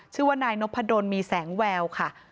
ชื่อว่านายนพดลมีแสงแววค่ะ